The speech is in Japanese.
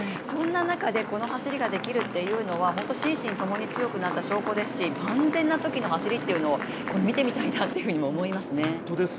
そんな中でこんな走りができるというのは心身ともに強くなった証拠ですし万全なときの走りを見てみたいなと思いますね。